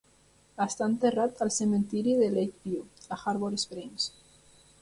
Està enterrat al cementiri de Lakeview, a Harbor Springs.